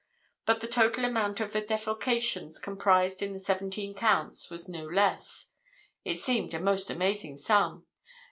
But the total amount of the defalcations, comprised in the seventeen counts, was no less—it seemed a most amazing sum!